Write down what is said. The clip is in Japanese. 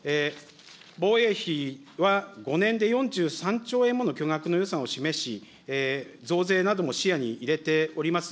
防衛費は５年で４３兆円もの巨額の予算を示し、増税なども視野に入れております。